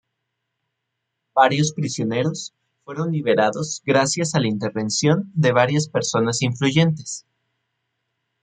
Varios prisioneros fueron liberados gracias a la intervención de varias personas influyentes.